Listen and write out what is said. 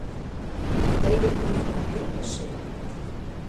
— Тый вет тунемат веле эше?